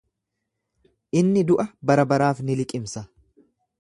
Inni du'a barabaraaf ni liqimsa.